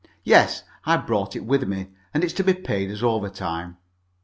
Yes, I've brought it with me, and it's to be paid as overtime.